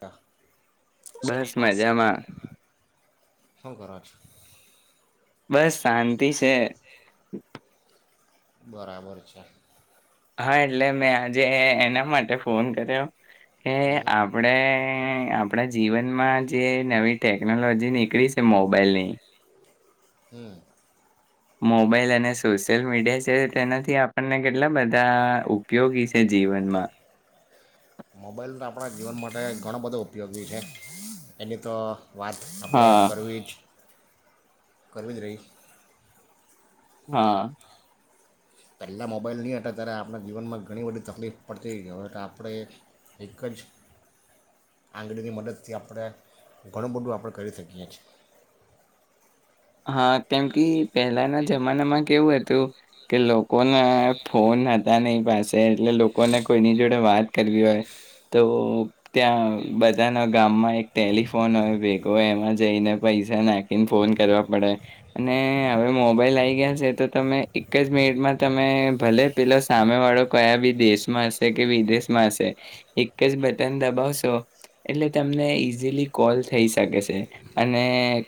તાા બસ મજામાં હ ગરજ બસ શાંતિ છે બરાબર છે હા એટલે મેં આજે એના માટે ફોન કર્યો કે આપણેે આપણા જીવનમાં જે નવી ટેકનોલોજી નીકળી છે મોબાઈલની હમ મોબાઈલ અને સોશિયલ મીડિયા છે તેનાથી આપણને કેટલા બધા ઉપયોગી છે જીવનમાં મોબાઈલ આપણા જીવન માટે ઘણો બધો ઉપયોગી છે એની તો વાત આપણે કરવી છે કરવી જ રહી હા પહેલાં મોબાઈલ નહીં હતા ત્યારે આપણા જીવનમાં ઘણી બધી તકલીફ પડતી હોય આપણે એક જ આંગળીની મદદથી આપણે ઘણું બધું આપણે કરી શકીએ છીએ હા કેમ કે પહેલાના જમાનામાં કેવું હતું કે લોકોને ફોન હતા ને એ પાસે એટલે લોકોને કોઈની જોડે વાત કરવી હોય તો ત્યાં બધાના ગામમાં એક ટેલિફોન હોય ભેગોય એમાં જઈને પૈસા નાખીને ફોન કરવા પડ અને હવે મોબાઈલ આવી ગયા છે તો તમે એક જ મિનિટમાં તમે ભલે પેલો સામે વાળો કયા બી દેશમાં હશે કે વિદેશમાં હશે એક જ બટન દબાવશો એટલે તમને ઈઝીલી કોલ થઈ શકે છે અને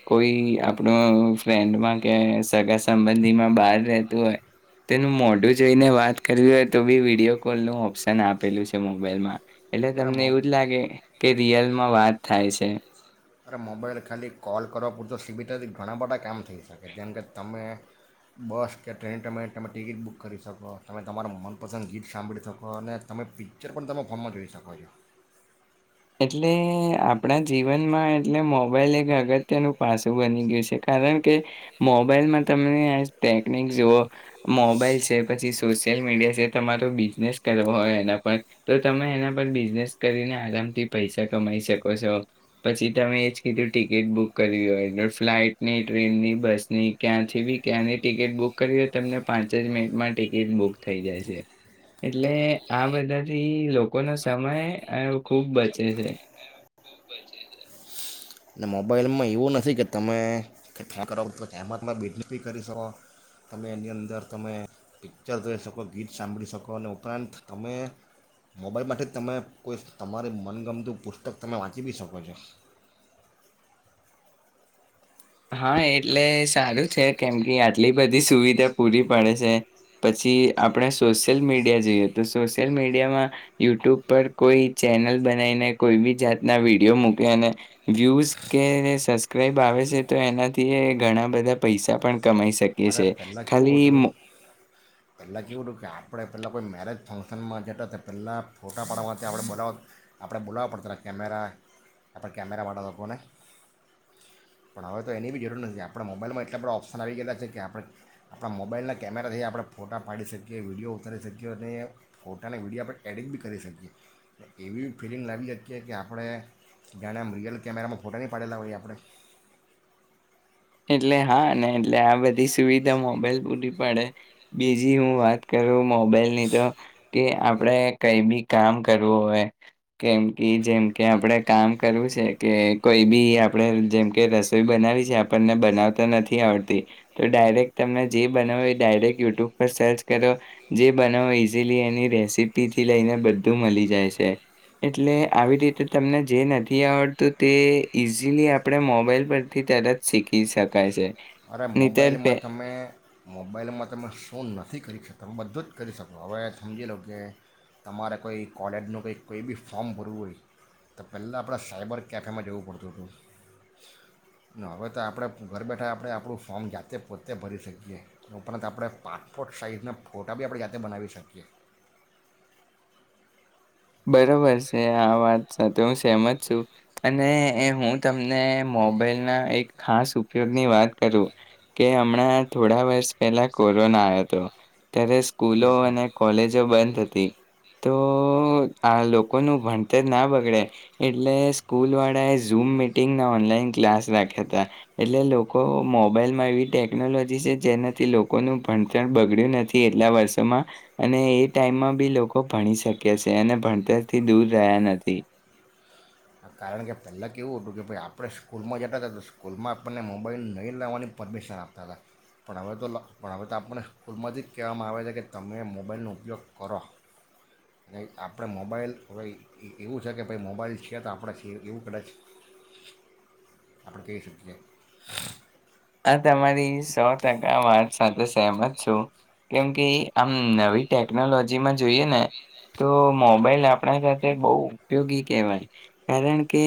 કોઈ આપણું ફ્રેન્ડમાં કે સગા સંબંધીમાં બહાર રહેતું હોય તેનું મોઢું જોઈને વાત કરવી હોય તો બી વિડીિયો કોલ નું ઓપ્શન આપેલું છે મોબાઈલમાં એટલે તમને એવું જ લાગે કે રિયલમાં વાત થાય છે તમા મોબાઈલ ખાલી કોલ કરવા પૂરતો સીબીતાથી ઘણા બધા કામ થઈ શકે જેમ કે તમે બસ કે ટ્રેન તમે તમે ટિકિટ બુક કરી શકો તમે તમાર મનપસંદ ગીત સાંભળી શકો અને તમે પિક્ચર પણ તમે ફોમમાં જોઈ શકો છો એટલે આપણા જીવનમાં એટલે મોબાઈલ એક અગત્યનું પાસું બની ગયું છે કારણ કે મોબાઈલમાં તમને આ ટેકનિક જુવઓ મોબાઈલ છે પછી સોશિયલ મીડિયા છે તમારો બિઝનેસ કરવો હોય એના પર તો તમે એના પર બિઝનેસ કરીને આરામ થી પૈસા કમાઈ શકો છો પછી તમે એ જ કીધું ટિકિટ બુક કરવી હોય એ ફ્લાઇટની ટ્રેનની બસની ક્યાંથી બી ક્યાંની ટિકિટ બુક કરવી હોય તમને પાંચ જ મિનિટમાં ટિકિટ બુક થઈ જાયશે એટલે આ બધાથી લોકોનો સમય ખૂબ બ છે છેે અને મોબાઈલમાં એવું નથી કે તમે ક કરો તો એહેમતમાં બિઝનેસ બી કરી શકો તમે એની અંદર તમે પિક્ચર જોઈ શકો ગીત સાંભળી શકો અને ઉપરાંત તમે મોબાઈલમાંથી જ તમે કોઈ તમારી મનગમતું પુસ્તક તમે વાંચી બ શકો છો હા એટલે સારું છે કેમ કે આટલી બધી સુવિધા પૂરી પડે છે પછી આપણે સોશિયલ મીડિયા જોઈએ તો સોશિયલ મીડિયામાં યુટ્યુબ પર કોઈ ચેનલ બનાવીને કોઈ બી જાતના વિડીિયો મૂકે અને વ્યૂઝ કે સબસ્ક્રાઈબ આવે છે તો એનાથી એ ઘણા બધા પૈસા પણ કમાઈ શ અરે પહેલા કેવું હતું પહેલા કેવું હતું કે આપણે પહેલાં કોઈ મેરેજ ફંક્શનમાં જતા હતા પહેલાં ફોટા પાડવાથી આપણે બોલાવવા આપણે બોલાવવા પડતા કેમેરા આપણે કેમેરાવાળા લોકોને પણ હવે તો એની બી જરૂર નથી આપણે મોબાઈલમાં એટલા બધા ઓપ્શન આવી ગયયા છે કે આપણે આપણા મોબાઈલના કેમેરાથી આપણે ફોટા પાડી શકીએ વિડીયો ઉતારી શકીએ અને ફોટાને વિડીયો આપણે એડિટ બી કરી શકીએ એવી ફિલિંગ લાવી શકીએ કે આપણે જાણેમ રિયલ કેમેરામાં ફોટા નહીં પાડેલા હોઈએ આપણે એટલે હા ને એટલે આ બધી સુવિધા મોબાઈલ પૂરી પડે બીજી હું વાત કરું મોબાઈલની તો કે આપડે કઈ બી કામ કરવું હોય કેમ કે જેમકે આપણેે કામ કરવું છે કે કોઈ બી આપણે જેમકે રસોઈ બનાવી છે આપણને બનાવતા નથી આવડતી તો ડાયરેક તમમે જે બનાવો એ ડાયરેક્ટ યુટ્યુબ પર સર્ચ કરો જે બનાવો ઇઝીલી એની રેસીપીથી લઈને બધું મળી જાય છે એટલે આવી રીતે તમને જે નથી આવડતું તે ઇઝીલી આપણે મોબાઈલ પરથી તરત શીખી શકાય છે અરે મોબાઈલમાં તમે મોબાઈલમાં તમે શું નથી કરી શક તમે બધું જ કરી શકો હવે સમજી લો કે તમારે કોઈ કોલેજનુ કંઈ કોઈ બી ફોર્મ ભરવું હોય તો પહેલા આપણે સાયબર કેફેમાં જવુ પડતુ હતુ હવે તો આપણે ઘર બેઠા આપણે આપણુ ફોર્મ જાતે પોતે ભરી શકીએ ઉપરાંત આપણે પાસપોર્ટ સાઇઝના ફોટા બી આપણે જાતે બનાવી શકીએ બરોબર છે આ વાત સાથે હું સહેમત છું અને હું તમને મોબાઈલના એક ખાસ ઉપયોગની વાત કરું કે હમણા થોડા વર્ષ પહેલા કોરોના આયો તો ત્યારે સ્કૂલો અને કોલેજો બંધ હતી તો આ લોકોનુ ભણતર ના બગડે એટલે સ્કૂલવાળાએ ઝૂમ મિટિંગના ઓનલાઈન ક્લાસ રાખ્યા હતા એટલે લોકો મોબાઈલમાં એવી ટેકનોલોજી છે જેનાથી લોકોનુ ભણતર બગડ્યુ નથી એટલા વર્ષોમાં અને એ ટાઈમમાં બી લોકો ભણી શકે છે અને ભણતરથી દૂર રહ્યા નથી કારણ કે પહેલા કેવુ હતુ કે ભાઈ આપણે સ્કૂલમાં જતા હતા તો સ્કૂલમાં આપણને મોબાઈલ નહીં લાવવાની પરમિશન આપતા હતા પણ હવે તો પણ હવે તો આપણને સ્કૂલમાંથી જ કહેવામાં આવે છે કે તમે મોબાઈલનો ઉપયોગ કરો આપણે મોબાઈલ હવે એવું છે કે ભાઈ મોબાઈલ છી તો આપણે એવું કદાચ આપણે કહી શકીએએ આ તમારી સો ટકા વાત સાથે સહેમત છું કેમકે આમ નવી ટેકનોલોજીમાં જોઈએ ને તો મોબાઈલ આપણા સાથે બહુ ઉપયોગી કહેવાય કારણ કે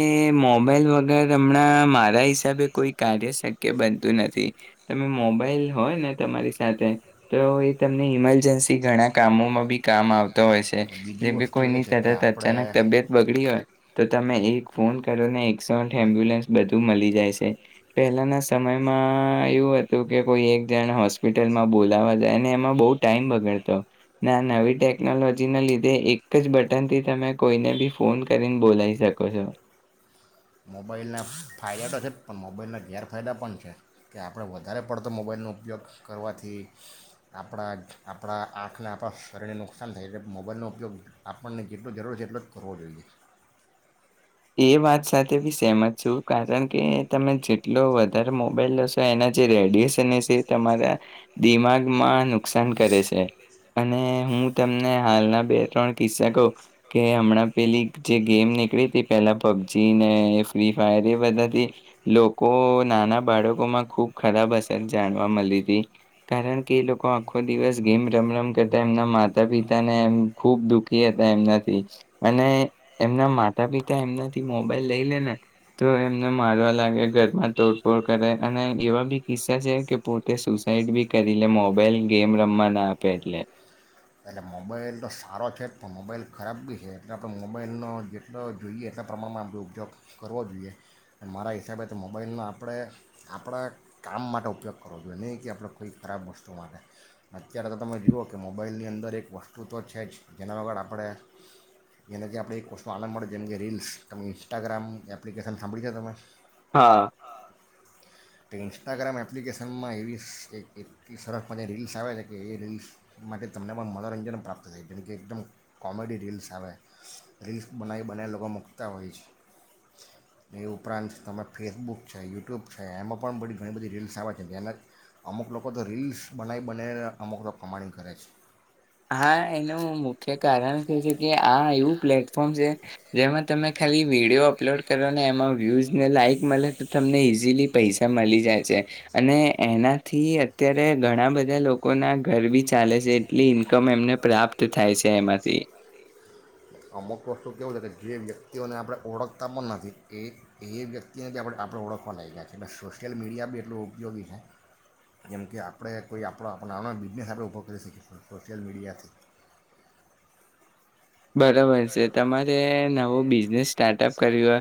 મોબાઈલ વગર હમણાં મારા હિસાબે કોઈ કાર્ય શક્ય બન નથી તમે મોબાઈલ હોય ને તમારી સાથે તો એ તમને ઈમરજન્સી ઘણા કામોમાં બી કામ આવતા હોય છે. જે કે કોઈ ની તરત અચાનક તબિયત બગડી હોય. તો તમે એક ફોન કરો ને એકસોઆઠ એમ્બ્યુલન્સ બધું મળી જાય છે પહેલાના સમય એમાં એવું હતું કે કોઈ એક જણ હોસ્પિટલમાં બોલાવા જાય અને એમાં બો ટાઈમ બગાડતો, ને આ નવી ટેકનોલોજીના લીધે એકજ બટનથી તમે કોઈ ને બી ફોન કરીને બોલાય શકો છો. મોબાઈલના ફાયદા તો છે જ પણ મોબાઈલના ગેરફાયદા પણ છે, કે આપણે વધારે પડતો મોબાઈલનો ઉપયોગ કરવાથી આપણા જ આપણા આંખના આપણાં શરીરને નુકસાન થાય, એટલે મોબાઈલનો ઉપયોગ આપણને જેટલો જરૂર છે, એટલો જ કરવો જોઈએ. એ વાત સાથે બી સેહમત છું કારણ કે તમે જેટલો વધારે મોબાઈલ લેશો એના જે રેડિયેશન એ સે તમારા દિમાગમાં નુકસાન કરે છે અને હું તમને હાલના બે ત્રણ કિસ્સા કઉ, કે હમણાં પેલી જે ગેમ નીકળી તી પેલા પબજી ને ફ્રી ફાયર, એ બધાથી લોકો નાના બાળકોમાં ખૂબ ખરાબ અસર જાણવા મલી તી. કારણ કે એ લોકો આખો દિવસ ગેમ રમ રમ કરતા, એમના માતા પિતાને એમ ખૂબ દુઃખી હતા એમનાથી અને એમના માતા પિ તે એમનાથી મોબાઈલ લઈ લે ને તો એમને મારવા લાગે, ઘરમાં તોડફોડ કરે અને એવા બી કિસ્સા છે કે પોતે સુસાઈડ બી કરી લે મોબાઈલ ગેમ રમવા ના આપે એટલે. મોબાઈલ તો સારો છે જ પણ મોબાઈલ ખરાબ બી છે એટલે આપણે મોબાઈલનો જેટલો જોઈએ એટલા પ્રમાણમાં આપણે ઉપયોગ કરવો જોઈએ. મારા હિસાબે તો મોબાઈલનો આપણે આપણા કામ માટે ઉપયોગ કરવો જોઈએ, નહીં કે આપણે કોઈ ખરાબ વસ્તુ માટે. ને અત્યારે તો તમે જુઓ કે મોબાઈલની અંદર એક વસ્ ટુથવચ છે જ જેના વગર આપણે જેનાથી આપણે એક વસ્તનો આનંદ મળે છે જેમ કે રીલ્સ. તમે ઇન્સ્ટાગ્રામ એપ્લિકેશન સાંભળી છે તમે? હા. તે ઇન્સ્ટાગ્રામ એપ્લિકેશનમાં એવી સ એક એટલી સરસ મને રીલ્સ આવે છે કે, એ રીલ્સ માટે તમને પણ મનોરંજન પ્રાપ્ત થાય, જેમ કે એકદમ કોમેડી રીલ્સ આવે, રીલ્સ બનાવી બનાવે લોકો મૂકતા હોય છે. એ ઉપરાંત તમે ફેસબુક છે, યુટ્યુબ છે. એમાં પણ બધી ઘણી બધી રીલ્સ આવે છે, જેને અમુક લોકો તો રીલ્સ બનાવી બનાવીને અમુક લોકો કમાણી કરે છે. હા એનું મુખ્ય કારણ થ છે કે આ એવું પ્લેટફોર્મ છે, જેમાં તમે ખાલી વિડીયો અપલોડ કરો ને એમાં વ્યુઝ ને લાઈક મલે તો તમને ઈઝીલી પૈસા મળી જાય છે અને એનાથી અત્યારે ઘણા બધા લોકોના ઘર બી ચાલે છે એટલી ઇ એકમ એમને પ્રાપ્ત થાય છે એમાંથી. અમુક વસ્તુ કેવું છે કે જે વ્યક્તિઓને આપણે ઓળખતા પણ નથી, એ એ વ્યક્તિને આપણે ઓળખવા લાઈગા છે ને સોશિયલ મીડિયા બી એટલુ ઉપયોગી છે, જેમ કે આપણે કોઈ આપણોનો બિઝનેસ આપણે ઉભો કરી શકીએ સોશિયલ મીડિયાથી. બરોબર છે. તમારે નવું બિઝનેસ સ્ટાર્ટઅપ કર્યું હોય,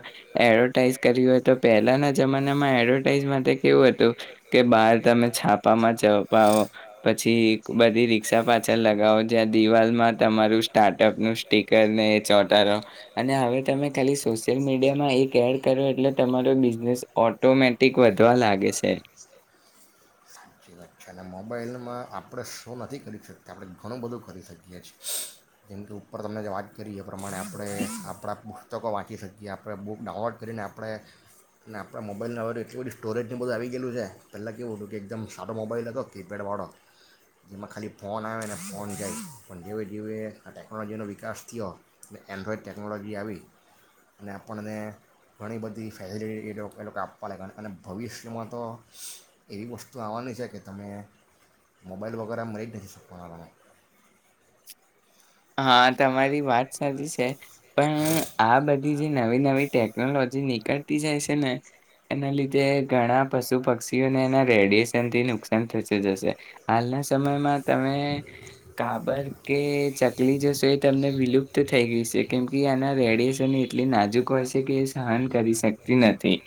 એડવર્ટાઈઝ કરવી હોય, તો પહેલાના જમાનામાં એડવર્ટાઈઝ માટે એવું હતું કે બહાર તમે છાપામાં જપાવો. પછી, બધી રિક્ષા પાછળ લગાવો, જ્યાં દિવાલમાં તમારું સ્ટાર્ટઅપનું કેરને એ ચોટોરો, અને હવે તમે ખાલી સોશિયલ મીડિયામાં એ કેર કરો એટલે તમારો બિઝનેસ ઓટોમેટિક વધવા લાગે છે. સાચી વાત છે, અને મોબાઈલમાં આપણે શો નથી કરી શકતા, આપણે ઘણું બધું કરી શકીએ છે. જેમ કે ઉપર તમને જે વાત કરી એ પ્રમાણે આપણે આપણાં પુસ્તકો વાંચી શકીએ, આપણે બુક ડાઉનલોડ કરીને આપણે આપણા મોબાઈલના એટલી બધી સ્ટોરેજનું બધું આવી ગયેલું છે. પહેલાં કેવું હતું કે, એકદમ સારો મોબાઈલ હતો, કીપેડ વાળો, જેમાં ખાલી ફોન આવેને ફોન જાય પણ જેવે જે આ ટેકનોલોજીનો વિકાસ થયો ને એન્ડ્રોઈડ ટેકનોલોજી આવી અને આપણને ઘણી બધી ફેસિલિટીએ લોકોએ લોકો આપવા લાઈગા અને અને ભવિષ્યમાં તો એવી વસ્તુ આવાની છે કે તમે, મોબાઈલ વગરે મરી જ નથી શક્વાના તમે. હા, તમારી વાત સાચી છે. પણ આ બધી નવી-નવી ટેકનોલોજી નીકળતી જાય છે ને, એના લીધે ઘણા પશુ-પક્ષીઓને એના રેડિયેશનથી નુકસાન થશે જશે. હાલના સમયમાં તમે કાબર કે ચક નીકલી જશે એ તમને વિલુપ્ત થઈ ગઈશે કેમ કે, આના રેડિયેશન એટલી નાજુકો હોયશે કે, એ સહન કરી શકતી નથી.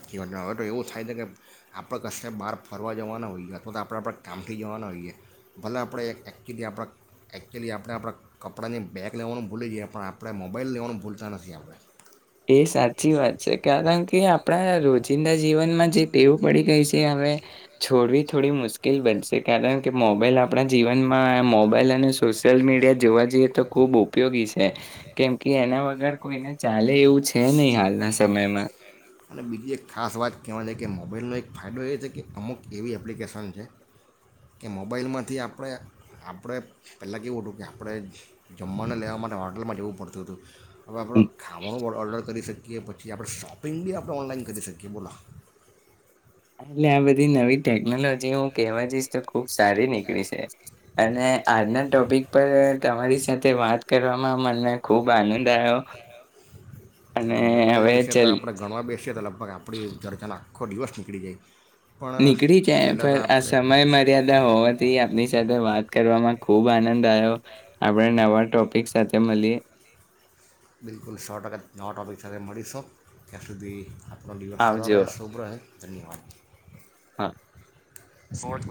[unintelligible] હવે તો એવું થાય છે કે, આપણે કશા બાર ફરવા જવાના હોઈએ અથવા તો આપણે આપણે કામથી જવાના હોઈએ, ભલે આપણે એક એકચ્યુલી આપણા એકચ્યુલી આપણે આપણા કપડાંની બેગ લેવાનું ભૂલી જઈએ પણ, આપણે મોબાઈલ લેવાનું ભૂલતા નથી આપણે. એ સાચી વાત છે કારણ કે આપણા રોજી. થોડી મુશ્કેલ બનશે કારણ કે મો પેલા આપણા જીવનમાં મોબાઈલ અને સોશિયલ મીડિયા જોવા જઈએ તો ખૂબ ઉપયોગી છે કેમ કે એના વગર કોઈ ને ચા હાલે એવું છે નહી હાલના સમયમાં અને બીજી એક ખાસ વાત કહેવાની કે મોબાઈલનો એક ફાયદો એ છે કે અમુક એવી એપ્લિકેશન છે કે મોબાઈલમાંથી આપણે આપણે પહેલાં કેવું હતું કે આપણે જમવાને લેવા માટે હોટલમાં જવું પડતું હતું હવે આપણે ખાવાનું ઓર્ડર કરી શકીએ કે પછી આપણે શોપ પિંગડી આપણે ઓનલાઈન કરી શકીએ બોલા હાલ ને હવે ઈ નવી ટેકનોલોજી હું કેવાં જ‌ઈશ ચકું સારી નીકળી છે અનેને આજના ટોપિક પર તમારી સાથે વાત કરવામાં મને ખુબ આનંદ આવ્યો અને હવે ચલ આખો દિવસ નીકળી જાય નીકળી જાય પણ આ સમય મર્યાદા હોવાથી આપની સાથે વાત કરવામાં ખૂબ આનંદ આવ્યો આપણે નવા ટોપિક સાથે મળી બિલકુલ સો ટકા નવા ટોપિક સાથે મળીશો ત્યાં સુધી આપ ન સારા રહે શુભ રહે ધન્યવાદ હા વટ [inaudible]